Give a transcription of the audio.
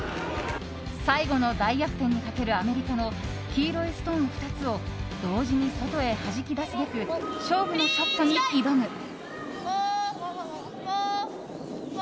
最後の大逆転にかけるアメリカの黄色いストーン２つを同時に外へはじき出すべく勝負のショットに挑む。